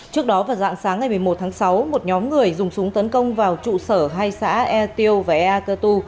trước đó vào dạng sáng ngày một mươi một tháng sáu một nhóm người dùng súng tấn công vào trụ sở hai xã e tiêu và ea cơ tu